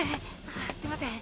あすいません。